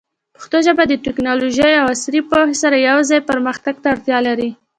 پښتو ژبه د ټیکنالوژۍ او عصري پوهې سره یوځای پرمختګ ته اړتیا لري.